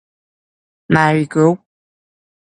มาลีกรุ๊ป